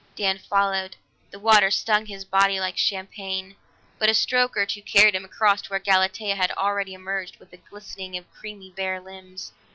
Dan followed; the water stung his body like champagne, but a stroke or two carried him across to where Galatea had already emerged with a glistening of creamy bare limbs.